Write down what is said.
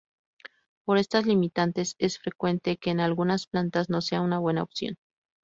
Por estas limitantes es frecuente que en algunas plantas no sea una buena opción.